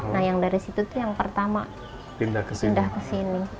nah yang dari situ tuh yang pertama pindah ke sini